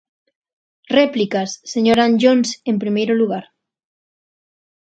Réplicas, señor Anllóns en primeiro lugar.